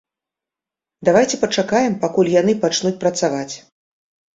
Давайце пачакаем, пакуль яны пачнуць працаваць.